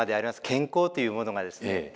「健康」というものがですね